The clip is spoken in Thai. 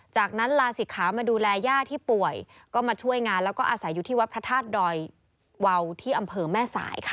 จากนั้นลาศิกขามาดูแลย่าที่ป่วยก็มาช่วยงานแล้วก็อาศัยอยู่ที่วัดพระธาตุดอยวาวที่อำเภอแม่สายค่ะ